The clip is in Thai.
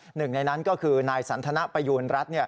หนึ่งในนั้นก็คือนายสันทนประยูณรัฐ